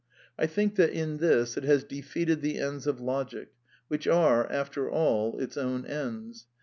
I think that in this it has defeated the ends of logic, which are, after all, its own ends.